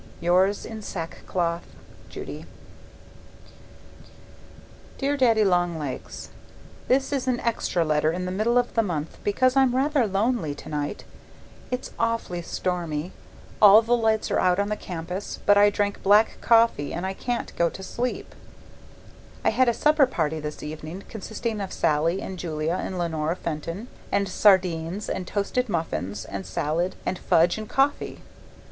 Yours in sackcloth, Judy Dear Daddy Long Legs, This is an extra letter in the middle of the month because I'm rather lonely tonight. It's awfully stormy. All the lights are out on the campus, but I drank black coffee and I can't go to sleep. I had a supper party this evening consisting of Sallie and Julia and Leonora Fenton and sardines and toasted muffins and salad and fudge and coffee.